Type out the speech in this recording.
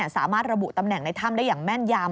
สามารถระบุตำแหน่งในถ้ำได้อย่างแม่นยำ